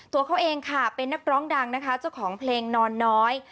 ตัวเขาเองค่ะเป็นนักร้องดังนะคะเจ้าของเพลงนอนน้อย